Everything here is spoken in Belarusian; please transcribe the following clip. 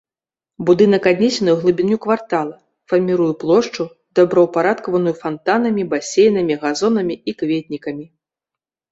Будынак аднесены ў глыбіню квартала, фарміруе плошчу, добраўпарадкаваную фантанамі, басейнамі, газонамі і кветнікамі.